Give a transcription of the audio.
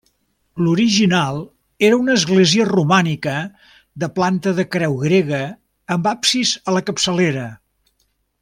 L'original era una església romànica, de planta de creu grega amb absis a la capçalera.